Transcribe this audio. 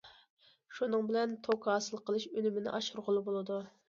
شۇنىڭ بىلەن توك ھاسىل قىلىش ئۈنۈمىنى ئاشۇرغىلى بولىدۇ.